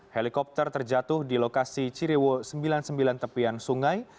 helikopter terjatuh di lokasi cirewo sembilan puluh sembilan tepian sungai